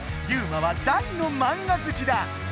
ユウマは大のマンガ好きだ！